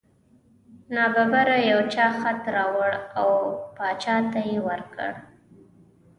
نا ببره یو چا خط راوړ او باچا ته یې ورکړ.